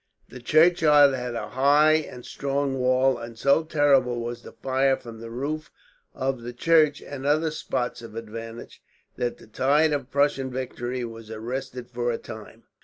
The churchyard had a high and strong wall, and so terrible was the fire from the roof of the church, and other spots of advantage, that the tide of Prussian victory was arrested for a time.